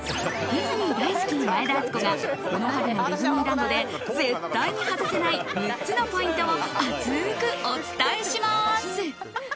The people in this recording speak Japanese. ディズニー大好き前田敦子がこの春ディズニーランドで絶対に外せない６つのポイントを熱くお伝えします。